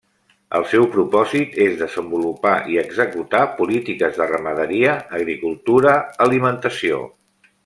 El seu propòsit és desenvolupar i executar polítiques de ramaderia, agricultura, alimentació.